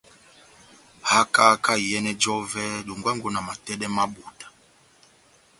Haka kahá iyɛnɛ j'ɔvɛ dongwango na matɛdɛ ma ebota.